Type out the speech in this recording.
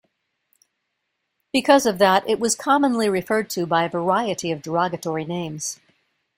Because of that it was commonly referred to by a variety of derogatory names.